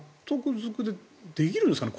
ずくでできるんですかね。